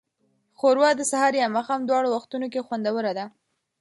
ښوروا د سهار یا ماښام دواړو وختونو کې خوندوره ده.